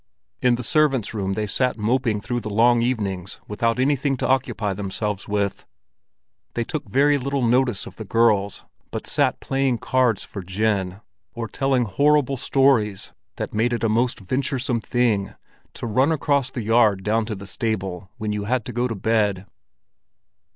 In the servants' room they sat moping through the long evenings without anything to occupy themselves with. They took very little notice of the girls, but sat playing cards for gin, or telling horrible stories that made it a most venturesome thing to run across the yard down to the stable when you had to go to bed.